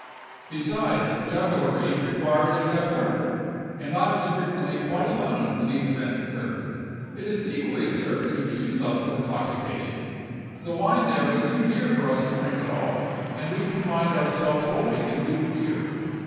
Besides, jugglery requires a juggler, and I was frequently quite alone when these events occurred. It is equally absurd to accuse us of intoxication. The wine there was too dear for us to drink at all, and we confined ourselves wholly to weak beer.